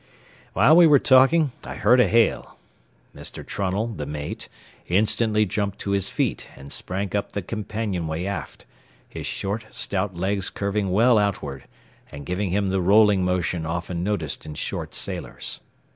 While we were talking I heard a hail. Mr. Trunnell, the mate, instantly jumped to his feet and sprang up the companionway aft, his short, stout legs curving well outward, and giving him the rolling motion often noticed in short sailors.